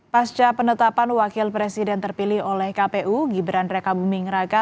pasca penetapan wakil presiden terpilih oleh kpu gibran raka buming raka